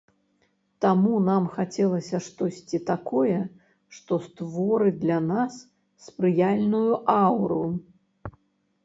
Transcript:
Таму нам хацелася штосьці такое, што створыць для нас спрыяльную аўру.